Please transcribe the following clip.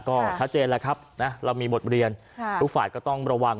ก็ชัดเจนแล้วครับนะเรามีบทเรียนทุกฝ่ายก็ต้องระวัง